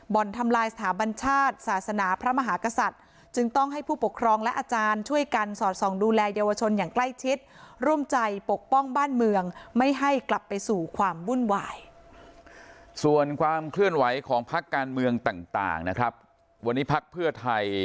บ่นทำลายสถาบัญชาติศาสนาพระมหากษัตริย์จึงต้องให้ผู้ปกครองและอาจารย์ช่วยกันสอดส่องดูแลเยาวชนอย่างใกล้ชิด